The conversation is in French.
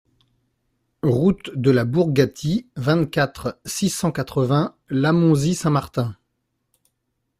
Route de la Bourgatie, vingt-quatre, six cent quatre-vingts Lamonzie-Saint-Martin